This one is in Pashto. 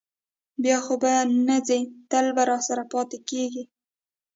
بیا خو به نه ځې، تل به راسره پاتې کېږې؟